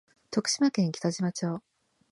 徳島県北島町